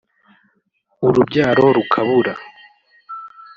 urubyaro rukabura